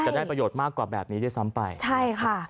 จะได้ประโยชน์มากกว่าแบบนี้ด้วยซ้ำไป